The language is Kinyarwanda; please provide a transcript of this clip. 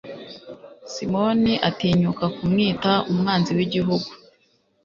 simoni atinyuka kumwita umwanzi w'igihugu